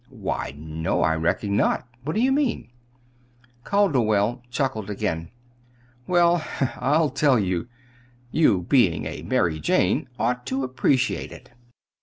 "Why, no, I reckon not. What do you mean?" Calderwell chuckled again. "Well, I'll tell you. You, being a 'Mary Jane,' ought to appreciate it.